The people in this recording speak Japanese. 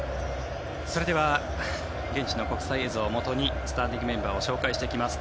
それでは現地の国際映像をもとにスターティングメンバーを紹介していきます。